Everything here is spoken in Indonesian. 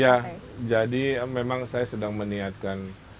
ya jadi memang saya sedang meniatkan